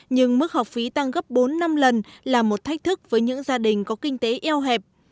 nhưng mức học phí tăng gấp bốn năm lần là một thách thức với những gia đình có kinh tế eo hẹp